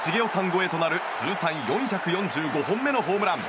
超えとなる通算４４５本目のホームラン！